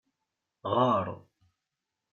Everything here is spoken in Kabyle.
Ɣeṛ!